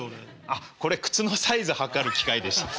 あっこれ靴のサイズ測る機械でした。